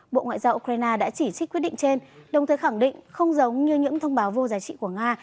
bộ ngoại giao ukraine đã chỉ trích quyết định trên đồng thời khẳng định không giống như những thông báo vô giá trị của nga